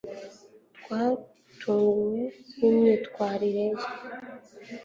twatunguwe nimyitwarire ye